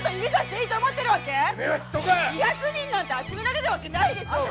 ⁉てめぇは「人」か⁉２００人なんて集められるわけないでしょう？